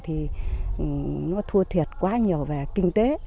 thì nó thua thiệt quá nhiều về kinh tế